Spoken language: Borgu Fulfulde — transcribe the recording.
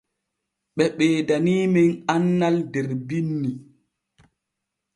Ɓe ɓeedaniimen annal der binni.